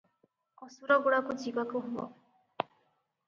ଅସୁରଗୁଡାକୁ ଯିବାକୁ ହେବ ।